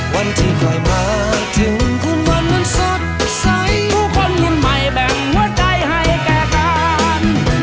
วันที่คอยมาถึงคุณวันนั้นสดใสผู้คนรุ่นใหม่แบ่งหัวใจให้แก่กัน